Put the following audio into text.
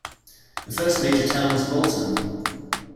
The first major town is Bolton.